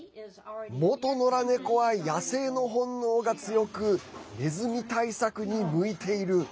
元のら猫は野性の本能が強くネズミ対策に向いている。